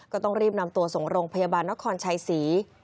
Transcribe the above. ก็ต้องรีบนำตัวส่งโรงพยาบาลนครชัยศรี